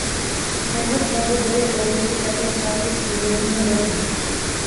Na jeho stavbu byly použity také části z původního domu.